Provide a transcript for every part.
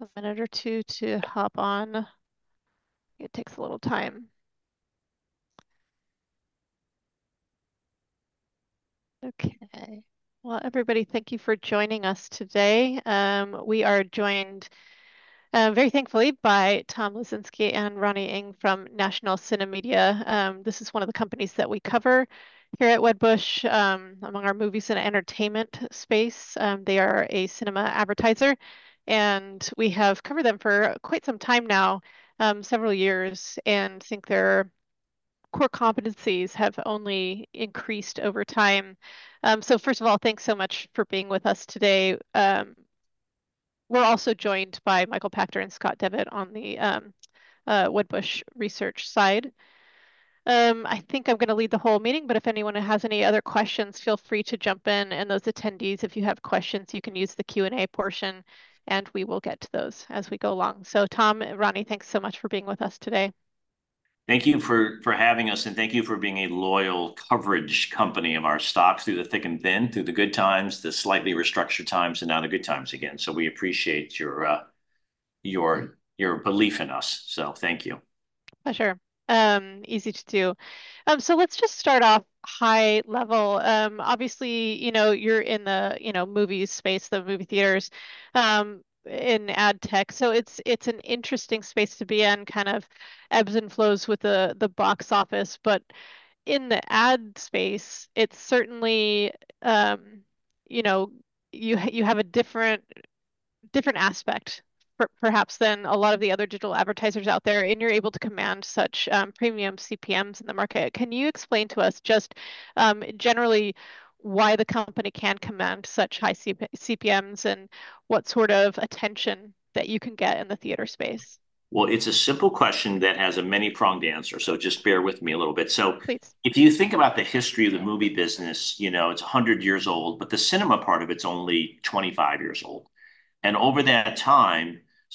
A minute or two to hop on. It takes a little time. Okay. Well, everybody, thank you for joining us today. We are joined very thankfully by Tom Lesinski and Ronnie Ng from National CineMedia. This is one of the companies that we cover here at Wedbush among our movies and entertainment space. They are a cinema advertiser, and we have covered them for quite some time now, several years, and think their core competencies have only increased over time. So first of all, thanks so much for being with us today. We're also joined by Michael Pachter and Scott Devitt on the Wedbush research side. I think I'm gonna lead the whole meeting, but if anyone has any other questions, feel free to jump in, and those attendees, if you have questions, you can use the Q&A portion, and we will get to those as we go along. So Tom, Ronnie, thanks so much for being with us today. Thank you for having us, and thank you for being a loyal coverage company of our stocks through the thick and thin, through the good times, the slightly restructured times, and now the good times again. So we appreciate your belief in us, so thank you. Pleasure. Easy to do. So let's just start off high level. Obviously, you know, you're in the, you know, movies space, the movie theaters, in ad tech, so it's, it's an interesting space to be in, kind of ebbs and flows with the, the box office. But in the ad space, it's certainly, you know, you, you have a different, different aspect perhaps than a lot of the other digital advertisers out there, and you're able to command such premium CPMs in the market. Can you explain to us just, generally, why the company can command such high CPMs, and what sort of attention that you can get in the theater space? It's a simple question that has a many-pronged answer, so just bear with me a little bit. Please. So if you think about the history of the movie business, you know, it's 100 years old, but the cinema part of it's only 25 years old. And over that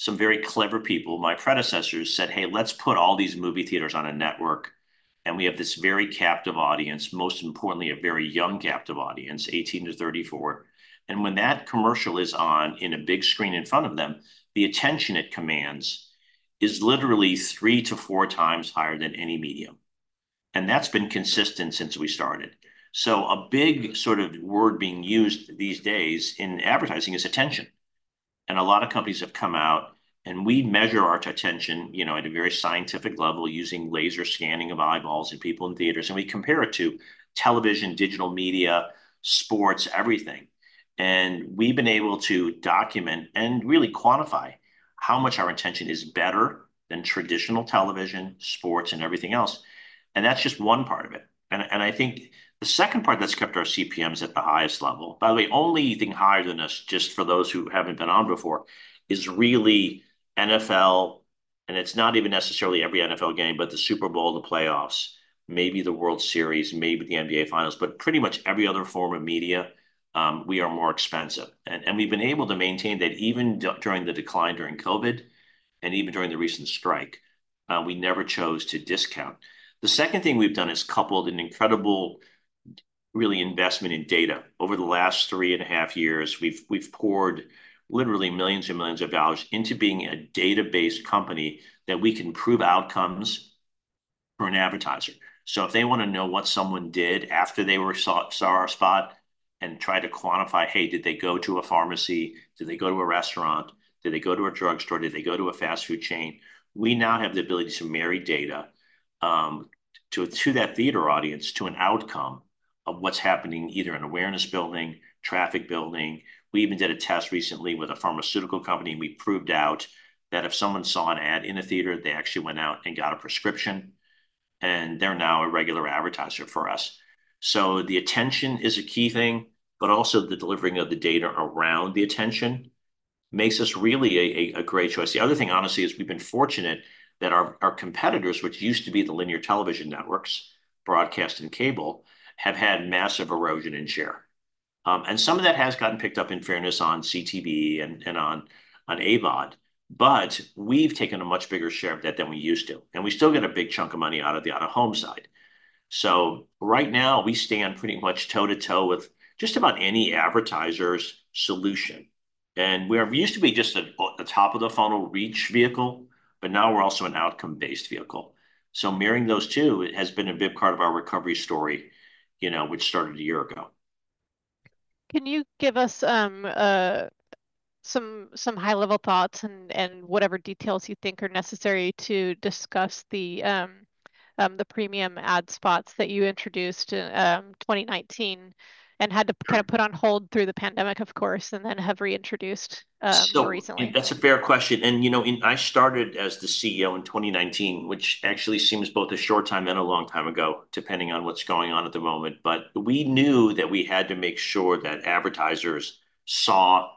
time, some very clever people, my predecessors, said, "Hey, let's put all these movie theaters on a network," and we have this very captive audience, most importantly, a very young, captive audience, 18 to 34. And when that commercial is on in a big screen in front of them, the attention it commands is literally 3 to 4 times higher than any medium. And that's been consistent since we started. So a big sort of word being used these days in advertising is attention, and a lot of companies have come out, and we measure our attention, you know, at a very scientific level, using laser scanning of eyeballs of people in theaters, and we compare it to television, digital media, sports, everything. And we've been able to document and really quantify how much our attention is better than traditional television, sports, and everything else. And that's just one part of it. And I think the second part that's kept our CPMs at the highest level... By the way, only thing higher than us, just for those who haven't been on before, is really NFL, and it's not even necessarily every NFL game, but the Super Bowl, the playoffs, maybe the World Series, maybe the NBA Finals, but pretty much every other form of media, we are more expensive. We've been able to maintain that even during the decline during COVID, and even during the recent strike, we never chose to discount. The second thing we've done is coupled an incredible really investment in data. Over the last three and a half years, we've poured literally millions and millions of dollars into being a database company, that we can prove outcomes for an advertiser. So if they wanna know what someone did after they were saw our spot and try to quantify, "Hey, did they go to a pharmacy? Did they go to a restaurant? Did they go to a drugstore? Did they go to a fast food chain?" We now have the ability to marry data to that theater audience to an outcome of what's happening, either in awareness building, traffic building. We even did a test recently with a pharmaceutical company, and we proved out that if someone saw an ad in a theater, they actually went out and got a prescription, and they're now a regular advertiser for us. So the attention is a key thing, but also the delivering of the data around the attention makes us really a great choice. The other thing, honestly, is we've been fortunate that our competitors, which used to be the linear television networks, broadcast and cable, have had massive erosion in share. And some of that has gotten picked up, in fairness, on CTV and on AVOD, but we've taken a much bigger share of that than we used to, and we still get a big chunk of money out of the out-of-home side. So right now, we stand pretty much toe-to-toe with just about any advertiser's solution. And we used to be just a top-of-the-funnel reach vehicle, but now we're also an outcome-based vehicle. So marrying those two, it has been a big part of our recovery story, you know, which started a year ago. Can you give us some high-level thoughts and whatever details you think are necessary to discuss the premium ad spots that you introduced in 2019, and had to-... kind of put on hold through the pandemic, of course, and then have reintroduced, more recently? That's a fair question. And, you know, I started as the CEO in 2019, which actually seems both a short time and a long time ago, depending on what's going on at the moment. But we knew that we had to make sure that advertisers saw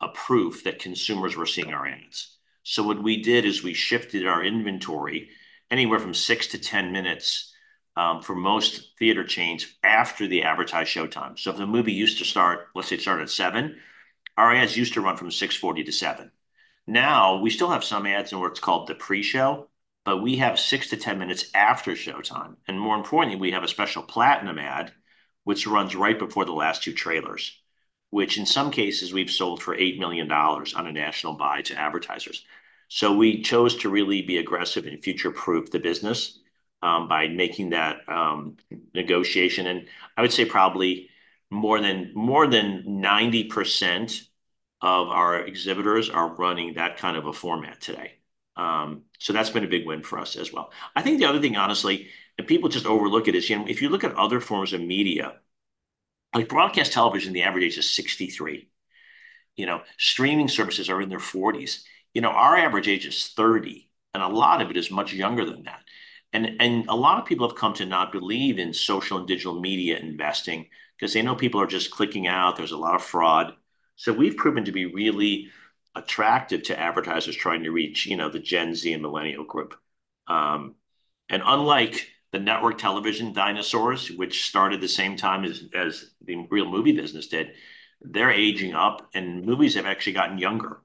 a proof that consumers were seeing our ads. So what we did is we shifted our inventory anywhere from six to 10 minutes for most theater chains after the advertised showtime. So if the movie used to start, let's say it started at 7:00 P.M., our ads used to run from 6:40 P.M.-7:00 P.M. Now, we still have some ads in what's called the pre-show. But we have six to ten minutes after showtime, and more importantly, we have a special Platinum ad, which runs right before the last two trailers, which in some cases we've sold for $8 million on a national buy to advertisers. So we chose to really be aggressive and future-proof the business, by making that, negotiation, and I would say probably more than, more than 90% of our exhibitors are running that kind of a format today. So that's been a big win for us as well. I think the other thing, honestly, and people just overlook it, is, you know, if you look at other forms of media, like broadcast television, the average age is 63. You know, streaming services are in their forties. You know, our average age is 30, and a lot of it is much younger than that. A lot of people have come to not believe in social and digital media investing, 'cause they know people are just clicking out, there's a lot of fraud, so we've proven to be really attractive to advertisers trying to reach, you know, the Gen Z and Millennial group, and unlike the network television dinosaurs, which started the same time as the real movie business did, they're aging up, and movies have actually gotten younger,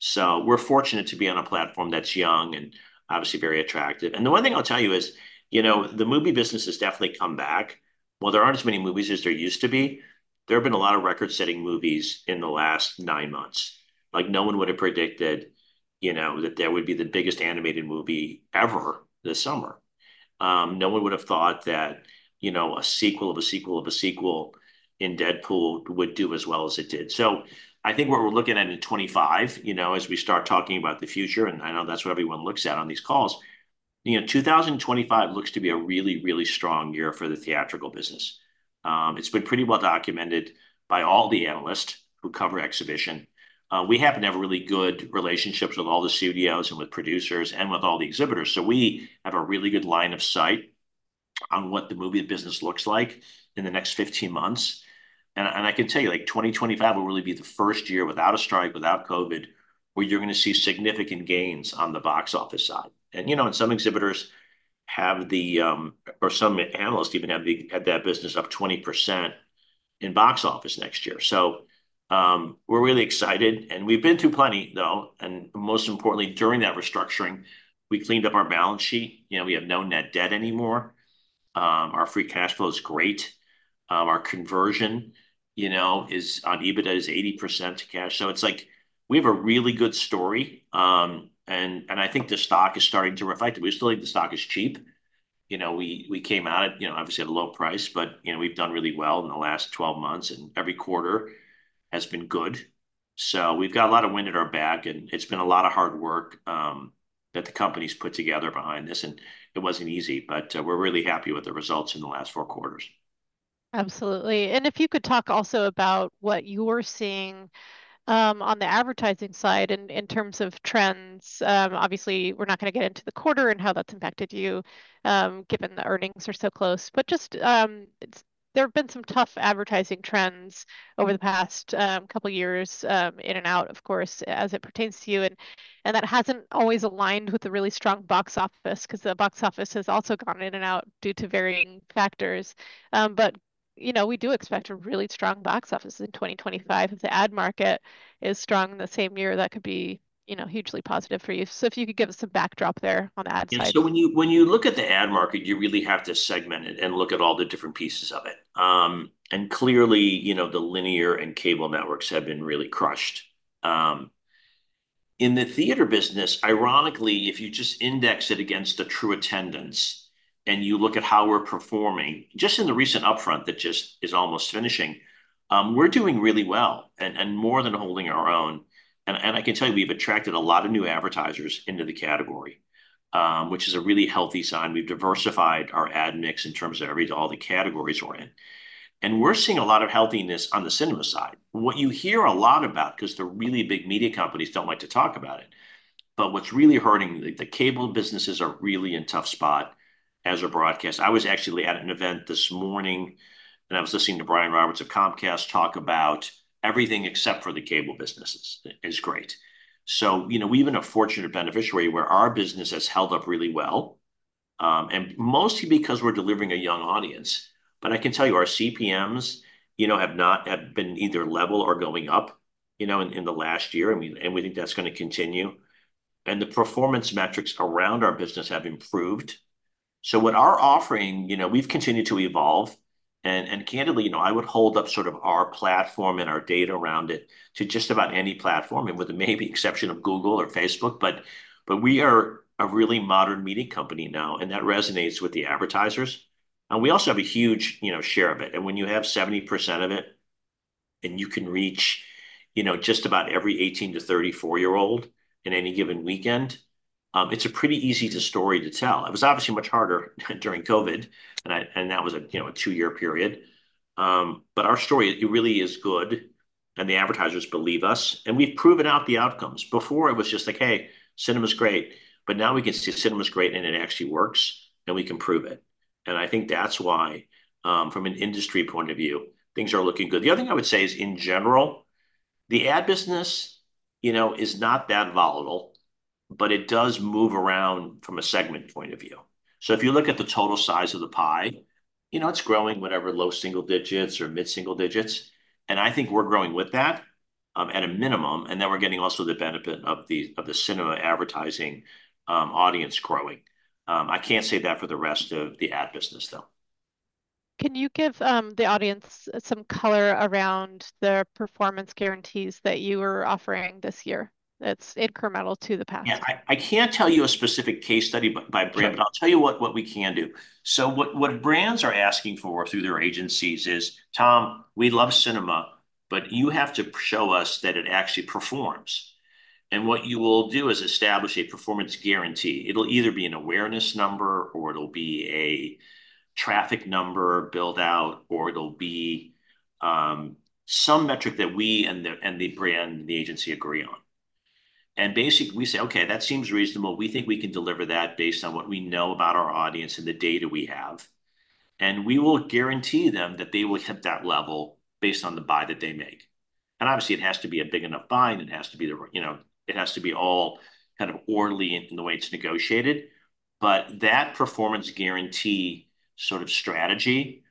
so we're fortunate to be on a platform that's young and obviously very attractive, and the one thing I'll tell you is, you know, the movie business has definitely come back. While there aren't as many movies as there used to be, there have been a lot of record-setting movies in the last nine months. Like, no one would've predicted, you know, that there would be the biggest animated movie ever this summer. No one would've thought that, you know, a sequel of a sequel of a sequel in Deadpool would do as well as it did. So I think what we're looking at in 2025, you know, as we start talking about the future, and I know that's what everyone looks at on these calls, you know, 2025 looks to be a really, really strong year for the theatrical business. It's been pretty well documented by all the analysts who cover exhibition. We happen to have really good relationships with all the studios and with producers and with all the exhibitors, so we have a really good line of sight on what the movie business looks like in the next 15 months. I can tell you, like, 2025 will really be the first year without a strike, without COVID, where you're gonna see significant gains on the box office side. You know, some exhibitors have the or some analysts even have that business up 20% in box office next year. So, we're really excited, and we've been through plenty, though, and most importantly, during that restructuring, we cleaned up our balance sheet. You know, we have no net debt anymore. Our free cash flow is great. Our conversion, you know, on EBITDA, is 80% to cash. So it's like we have a really good story, and I think the stock is starting to reflect it. We still think the stock is cheap. You know, we came out at, you know, obviously at a low price, but, you know, we've done really well in the last twelve months, and every quarter has been good. So we've got a lot of wind at our back, and it's been a lot of hard work that the company's put together behind this, and it wasn't easy, but, we're really happy with the results in the last four quarters. Absolutely. And if you could talk also about what you're seeing on the advertising side in terms of trends. Obviously, we're not gonna get into the quarter and how that's impacted you, given the earnings are so close. But just, there have been some tough advertising trends over the past couple years, in and out, of course, as it pertains to you, and that hasn't always aligned with the really strong box office, 'cause the box office has also gone in and out due to varying factors. But you know, we do expect a really strong box office in twenty twenty-five. If the ad market is strong in the same year, that could be, you know, hugely positive for you. So if you could give us some backdrop there on the ad side. Yeah, so when you look at the ad market, you really have to segment it and look at all the different pieces of it. And clearly, you know, the linear and cable networks have been really crushed. In the theater business, ironically, if you just index it against the true attendance, and you look at how we're performing, just in the recent upfront that just is almost finishing, we're doing really well, and I can tell you, we've attracted a lot of new advertisers into the category, which is a really healthy sign. We've diversified our ad mix in terms of all the categories we're in, and we're seeing a lot of healthiness on the cinema side. What you hear a lot about, 'cause the really big media companies don't like to talk about it, but what's really hurting. The cable businesses are really in tough spot, as are broadcast. I was actually at an event this morning, and I was listening to Brian Roberts of Comcast talk about everything except for the cable business is great. So you know, we've been a fortunate beneficiary, where our business has held up really well, and mostly because we're delivering a young audience. But I can tell you, our CPMs, you know, have been either level or going up, you know, in the last year, and we think that's gonna continue, and the performance metrics around our business have improved, so what our offering... You know, we've continued to evolve, and candidly, you know, I would hold up sort of our platform and our data around it to just about any platform, and with the maybe exception of Google or Facebook. But we are a really modern media company now, and that resonates with the advertisers, and we also have a huge, you know, share of it. And when you have 70% of it, and you can reach, you know, just about every 18- to 34-year-old in any given weekend, it's a pretty easy story to tell. It was obviously much harder during COVID, and that was a, you know, a 2-year period. But our story, it really is good, and the advertisers believe us, and we've proven out the outcomes. Before, it was just like, "Hey, cinema's great," but now we can see cinema's great, and it actually works, and we can prove it, and I think that's why, from an industry point of view, things are looking good. The other thing I would say is, in general, the ad business, you know, is not that volatile, but it does move around from a segment point of view. So if you look at the total size of the pie, you know, it's growing whatever, low single digits or mid-single digits, and I think we're growing with that at a minimum, and then we're getting also the benefit of the cinema advertising audience growing. I can't say that for the rest of the ad business, though. Can you give the audience some color around the performance guarantees that you are offering this year that's incremental to the past? Yeah, I can't tell you a specific case study by brand, but I'll tell you what we can do. So what brands are asking for through their agencies is, "Tom, we love cinema, but you have to show us that it actually performs." And what you will do is establish a performance guarantee. It'll either be an awareness number, or it'll be a traffic number build-out, or it'll be some metric that we and the brand and the agency agree on. And basically, we say, "Okay, that seems reasonable. We think we can deliver that based on what we know about our audience and the data we have." And we will guarantee them that they will hit that level based on the buy that they make. And obviously, it has to be a big enough buy, and it has to be you know, it has to be all kind of orderly in, in the way it's negotiated. But that performance guarantee sort of strategy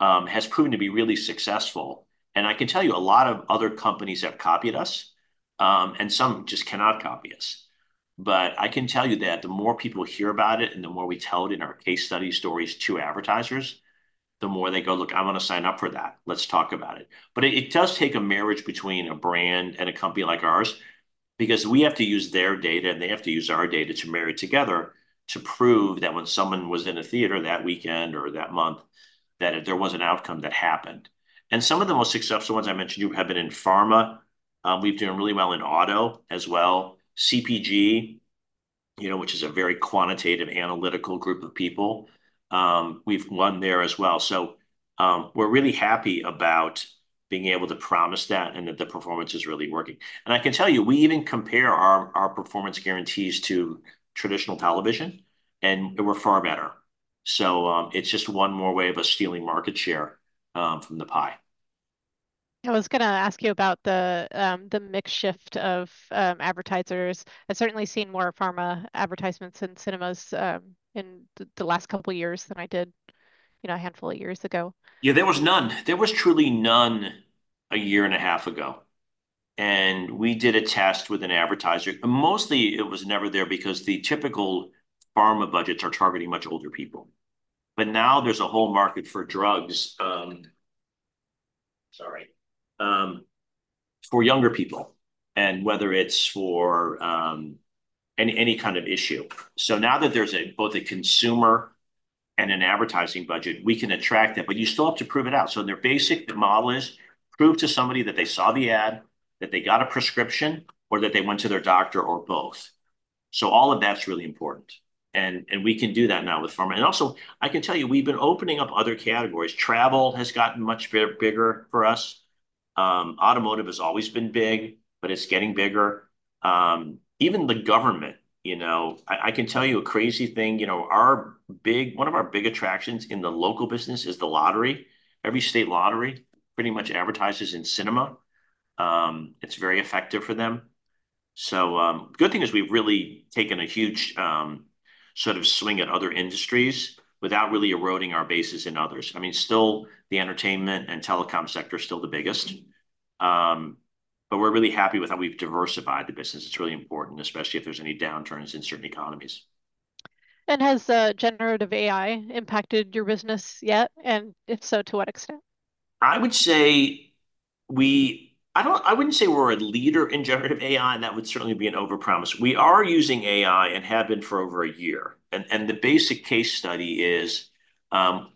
has proven to be really successful, and I can tell you a lot of other companies have copied us, and some just cannot copy us. But I can tell you that the more people hear about it, and the more we tell it in our case study stories to advertisers, the more they go, "Look, I wanna sign up for that. Let's talk about it, but it does take a marriage between a brand and a company like ours, because we have to use their data, and they have to use our data to marry together to prove that when someone was in a theater that weekend or that month, that there was an outcome that happened, and some of the most successful ones I mentioned to you have been in pharma. We've done really well in auto as well. CPG, you know, which is a very quantitative, analytical group of people, we've won there as well, so we're really happy about being able to promise that and that the performance is really working, and I can tell you, we even compare our performance guarantees to traditional television, and we're far better. It's just one more way of us stealing market share from the pie. I was gonna ask you about the mix shift of advertisers. I've certainly seen more pharma advertisements in cinemas in the last couple of years than I did, you know, a handful of years ago. Yeah, there was none. There was truly none a year and a half ago, and we did a test with an advertiser. Mostly it was never there because the typical pharma budgets are targeting much older people. But now there's a whole market for drugs for younger people, and whether it's for any kind of issue. So now that there's both a consumer and an advertising budget, we can attract them, but you still have to prove it out. So their basic model is prove to somebody that they saw the ad, that they got a prescription, or that they went to their doctor, or both. So all of that's really important. And we can do that now with pharma. And also, I can tell you, we've been opening up other categories. Travel has gotten much bigger for us. Automotive has always been big, but it's getting bigger. Even the government, you know... I can tell you a crazy thing, you know, one of our big attractions in the local business is the lottery. Every state lottery pretty much advertises in cinema. It's very effective for them. So, good thing is we've really taken a huge, sort of swing at other industries without really eroding our bases in others. I mean, still, the entertainment and telecom sector is still the biggest, but we're really happy with how we've diversified the business. It's really important, especially if there's any downturns in certain economies. And has generative AI impacted your business yet, and if so, to what extent? I would say I wouldn't say we're a leader in generative AI, and that would certainly be an overpromise. We are using AI and have been for over a year, and the basic case study is,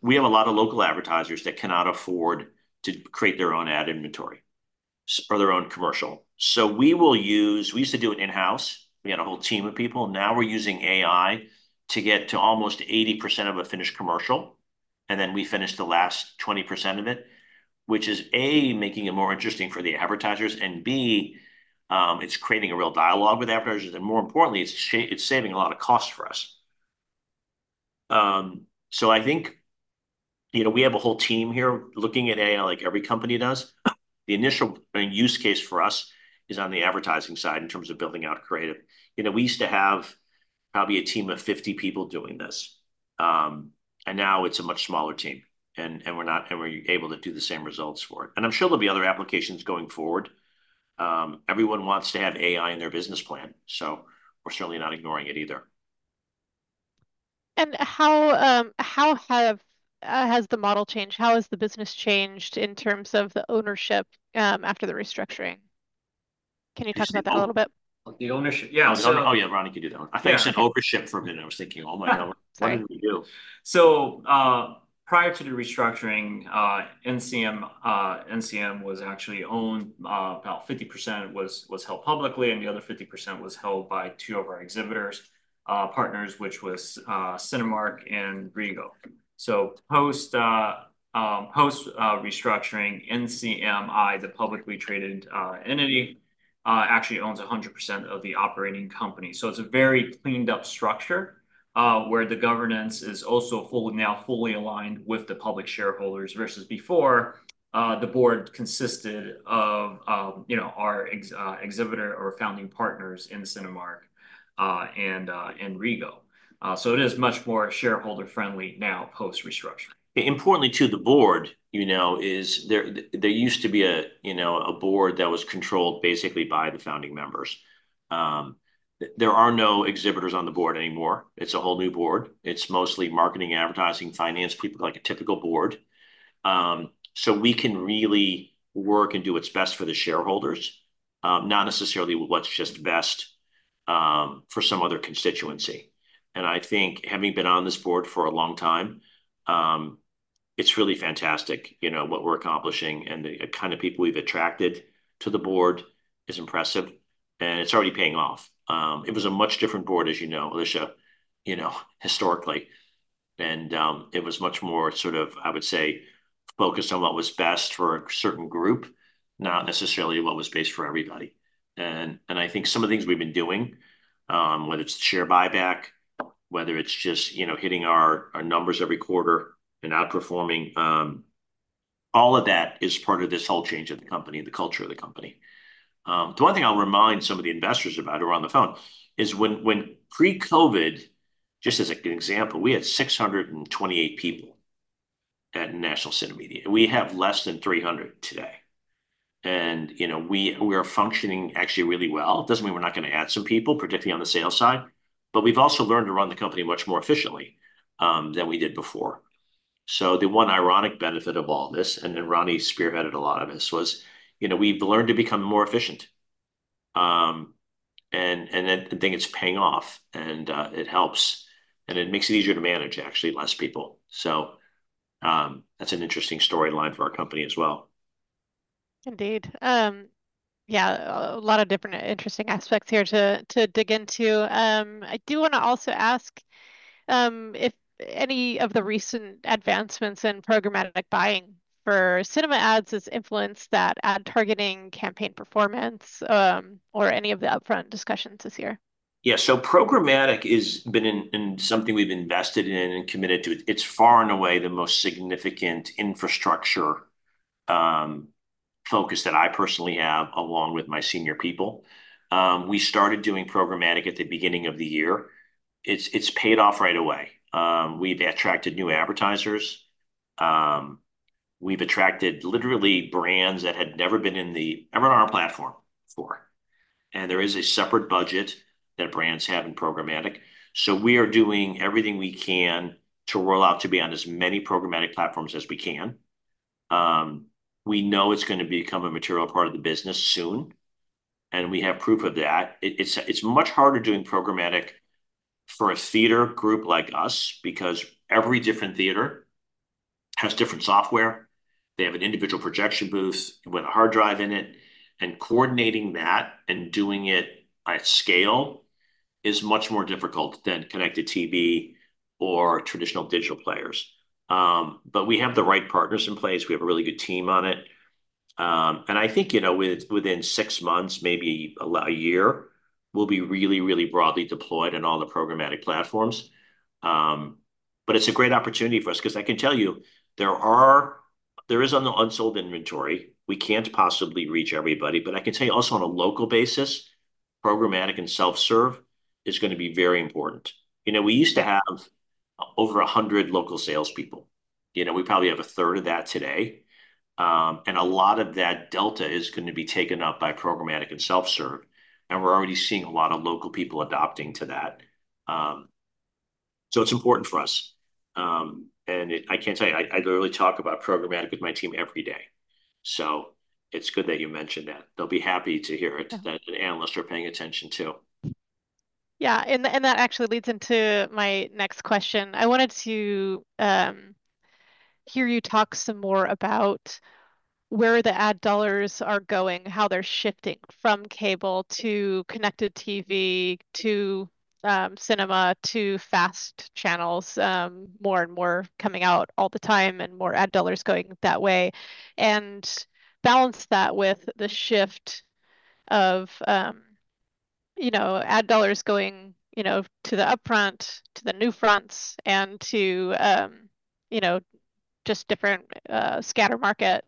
we have a lot of local advertisers that cannot afford to create their own ad inventory or their own commercial. So we will use. We used to do it in-house. We had a whole team of people. Now we're using AI to get to almost 80% of a finished commercial, and then we finish the last 20% of it, which is A, making it more interesting for the advertisers, and B, it's creating a real dialogue with advertisers, and more importantly, it's saving a lot of cost for us. So I think, you know, we have a whole team here looking at AI, like every company does. The initial use case for us is on the advertising side in terms of building out creative. You know, we used to have probably a team of fifty people doing this. And now it's a much smaller team, and we're able to do the same results for it. And I'm sure there'll be other applications going forward. Everyone wants to have AI in their business plan, so we're certainly not ignoring it either. How has the model changed? How has the business changed in terms of the ownership after the restructuring? Can you talk about that a little bit? The ownership, yeah. Oh, yeah, Ronnie can do that one. Yeah. I thought you said ownership for a minute. I was thinking, "Oh, my God- Right... what did we do? Prior to the restructuring, NCM was actually owned about 50% was held publicly, and the other 50% was held by two of our exhibitors partners, which was Cinemark and Regal. Post restructuring, NCMI, the publicly traded entity, actually owns 100% of the operating company. It's a very cleaned-up structure where the governance is also fully aligned with the public shareholders, versus before the board consisted of you know, our exhibitor or founding partners in Cinemark and Regal. It is much more shareholder-friendly now post-restructure. Importantly to the board, you know, is that there used to be a, you know, a board that was controlled basically by the founding members. There are no exhibitors on the board anymore. It's a whole new board. It's mostly marketing, advertising, finance people, like a typical board. So we can really work and do what's best for the shareholders, not necessarily what's just best for some other constituency, and I think having been on this board for a long time, it's really fantastic, you know, what we're accomplishing, and the kind of people we've attracted to the board is impressive, and it's already paying off. It was a much different board, as you know, Alicia, you know, historically, and it was much more sort of, I would say, focused on what was best for a certain group, not necessarily what was best for everybody. And I think some of the things we've been doing, whether it's share buyback, whether it's just, you know, hitting our numbers every quarter and outperforming, all of that is part of this whole change of the company and the culture of the company. The one thing I'll remind some of the investors about who are on the phone is when pre-COVID, just as a good example, we had 628 people at National CineMedia. We have less than 300 today. And, you know, we are functioning actually really well. It doesn't mean we're not gonna add some people, particularly on the sales side, but we've also learned to run the company much more efficiently, than we did before. So the one ironic benefit of all this, and then Ronnie spearheaded a lot of this, was, you know, we've learned to become more efficient. And I think it's paying off, and it helps, and it makes it easier to manage, actually, less people. So, that's an interesting storyline for our company as well. Indeed. Yeah, a lot of different interesting aspects here to dig into. I do wanna also ask if any of the recent advancements in programmatic buying for cinema ads has influenced that ad targeting campaign performance, or any of the upfront discussions this year? Yeah, so programmatic has been in something we've invested in and committed to. It's far and away the most significant infrastructure focus that I personally have, along with my senior people. We started doing programmatic at the beginning of the year. It's paid off right away. We've attracted new advertisers. We've attracted literally brands that had never been in the... ever on our platform before, and there is a separate budget that brands have in programmatic. So we are doing everything we can to roll out to be on as many programmatic platforms as we can. We know it's gonna become a material part of the business soon, and we have proof of that. It's much harder doing programmatic for a theater group like us because every different theater has different software. They have an individual projection booth with a hard drive in it, and coordinating that and doing it at scale is much more difficult than connected TV or traditional digital players. But we have the right partners in place. We have a really good team on it. And I think, you know, within six months, maybe a year, we'll be really, really broadly deployed in all the programmatic platforms. But it's a great opportunity for us, 'cause I can tell you, there is unsold inventory. We can't possibly reach everybody. But I can tell you also, on a local basis, programmatic and self-serve is gonna be very important. You know, we used to have over a hundred local salespeople. You know, we probably have a third of that today. And a lot of that delta is gonna be taken up by programmatic and self-serve, and we're already seeing a lot of local people adopting to that. So it's important for us. I can't tell you, I literally talk about programmatic with my team every day. So it's good that you mentioned that. They'll be happy to hear it- Yeah... that the analysts are paying attention, too. Yeah, and that actually leads into my next question. I wanted to hear you talk some more about where the ad dollars are going, how they're shifting from cable to connected TV, to cinema, to FAST channels, more and more coming out all the time, and more ad dollars going that way. And balance that with the shift of, you know, ad dollars going, you know, to the upfront, to the new fronts, and to, you know, just different scatter market,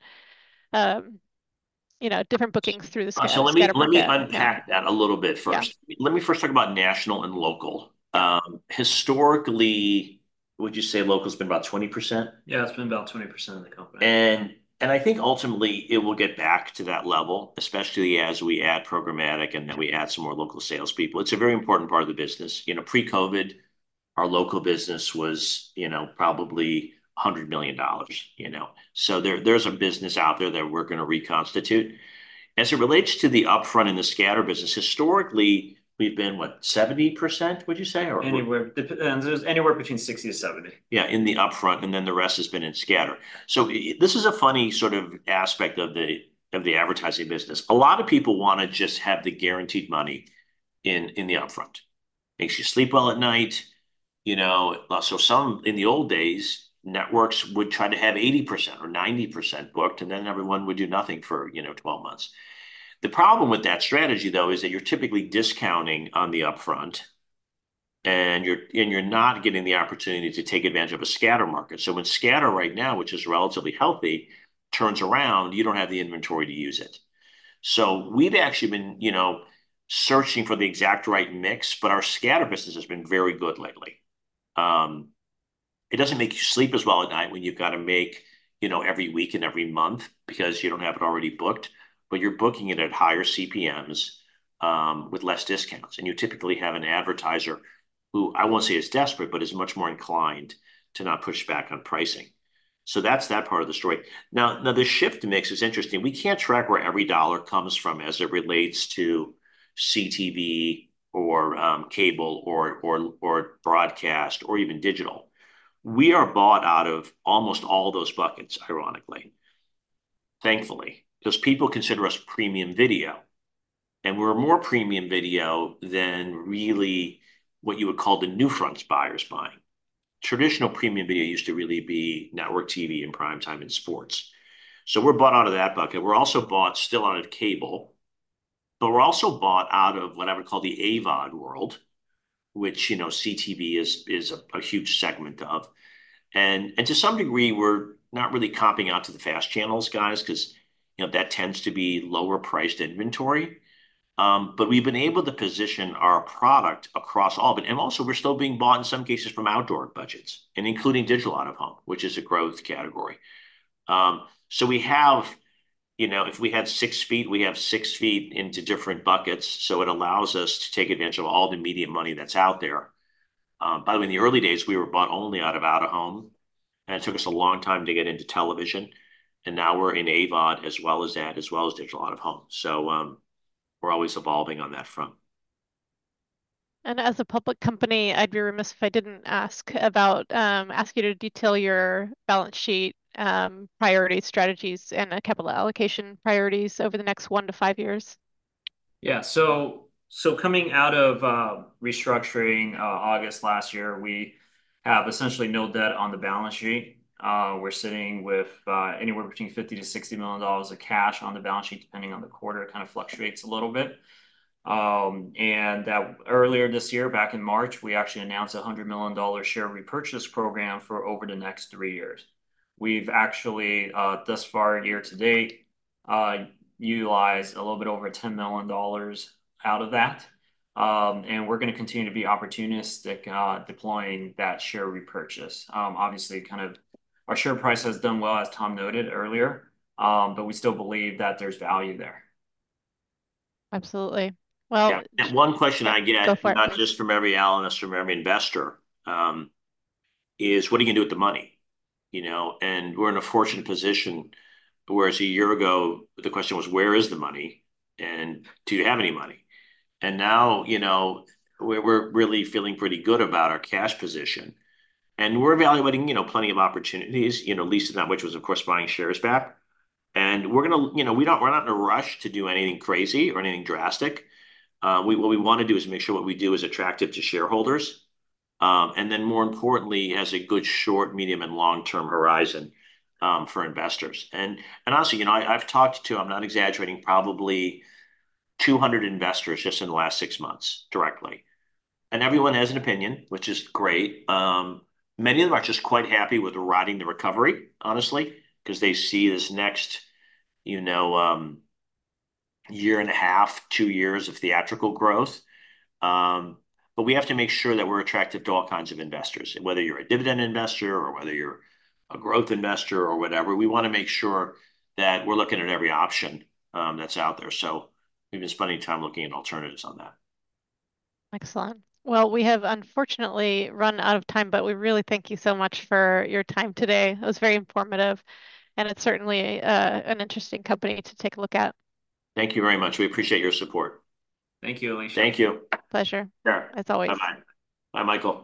you know, different bookings through the scatter market- So let me unpack that a little bit first. Yeah. Let me first talk about national and local. Historically, would you say local's been about 20%? Yeah, it's been about 20% of the company. I think ultimately it will get back to that level, especially as we add programmatic, and then we add some more local salespeople. It's a very important part of the business. You know, pre-COVID, our local business was, you know, probably $100 million, you know? So there's a business out there that we're gonna reconstitute. As it relates to the upfront and the scatter business, historically, we've been, what? 70%, would you say, or- Anywhere... there's anywhere between sixty to seventy. Yeah, in the upfront, and then the rest has been in scatter. So this is a funny sort of aspect of the advertising business. A lot of people wanna just have the guaranteed money in the upfront. Makes you sleep well at night, you know. In the old days, networks would try to have 80% or 90% booked, and then everyone would do nothing for, you know, 12 months. The problem with that strategy, though, is that you're typically discounting on the upfront and you're not getting the opportunity to take advantage of a scatter market. So when scatter right now, which is relatively healthy, turns around, you don't have the inventory to use it. So we've actually been, you know, searching for the exact right mix, but our scatter business has been very good lately. It doesn't make you sleep as well at night when you've got to make, you know, every week and every month because you don't have it already booked, but you're booking it at higher CPMs with less discounts. And you typically have an advertiser who I won't say is desperate, but is much more inclined to not push back on pricing. So that's that part of the story. Now, the shift mix is interesting. We can't track where every dollar comes from as it relates to CTV or cable or broadcast, or even digital. We are bought out of almost all those buckets, ironically. Thankfully, those people consider us premium video, and we're a more premium video than really what you would call the NewFronts buyers buying. Traditional premium video used to really be network TV in prime time and sports. So we're bought out of that bucket. We're also bought still out of cable, but we're also bought out of what I would call the AVOD world, which, you know, CTV is a huge segment of. And to some degree, we're not really copping out to the FAST channels, guys, 'cause, you know, that tends to be lower-priced inventory. But we've been able to position our product across all of it. And also, we're still being bought, in some cases, from outdoor budgets, and including digital out-of-home, which is a growth category. So we have you know, if we had six feet, we have six feet into different buckets, so it allows us to take advantage of all the media money that's out there. By the way, in the early days, we were bought only out of out-of-home, and it took us a long time to get into television, and now we're in AVOD, as well as that, as well as digital out-of-home. So, we're always evolving on that front. As a public company, I'd be remiss if I didn't ask you to detail your balance sheet, priority strategies, and capital allocation priorities over the next one to five years. Yeah. So, coming out of restructuring August last year, we have essentially no debt on the balance sheet. We're sitting with anywhere between $50-$60 million of cash on the balance sheet, depending on the quarter. It kind of fluctuates a little bit. And earlier this year, back in March, we actually announced a $100 million share repurchase program for over the next three years. We've actually thus far, year to date, utilized a little bit over $10 million out of that. And we're gonna continue to be opportunistic deploying that share repurchase. Obviously, kind of, our share price has done well, as Tom noted earlier, but we still believe that there's value there. Absolutely. Well- Yeah, and one question I get- Go for it.... not just from every analyst, from every investor, is: what are you gonna do with the money? You know, and we're in a fortunate position, whereas a year ago, the question was: where is the money, and do you have any money? And now, you know, we're really feeling pretty good about our cash position, and we're evaluating, you know, plenty of opportunities. You know, least of that, which was, of course, buying shares back. And we're gonna, you know, we're not in a rush to do anything crazy or anything drastic. What we wanna do is make sure what we do is attractive to shareholders, and then, more importantly, has a good short, medium, and long-term horizon, for investors. Honestly, you know, I've talked to, I'm not exaggerating, probably 200 investors just in the last six months directly, and everyone has an opinion, which is great. Many of them are just quite happy with riding the recovery, honestly, 'cause they see this next, you know, year and a half, 2 years of theatrical growth, but we have to make sure that we're attractive to all kinds of investors. Whether you're a dividend investor or whether you're a growth investor or whatever, we wanna make sure that we're looking at every option that's out there, so we've been spending time looking at alternatives on that. Excellent. Well, we have unfortunately run out of time, but we really thank you so much for your time today. It was very informative, and it's certainly an interesting company to take a look at. Thank you very much. We appreciate your support. Thank you, Alicia. Thank you. Pleasure- Sure... as always. Bye-bye. Bye, Michael.